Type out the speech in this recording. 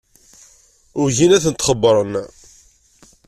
Ugin ad tent-xebbren.